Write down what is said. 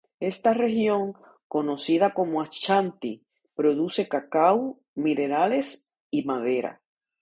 Esta región, conocida como Ashanti, produce cacao, minerales y madera.